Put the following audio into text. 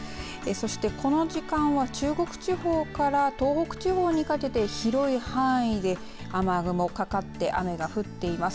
そしてこの時間は中国地方から東北地方にかけて広い範囲で雨雲かかって雨が降っています。